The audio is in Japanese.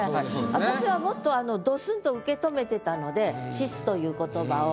私はもっとドスンと受け止めてたので「死す」という言葉を。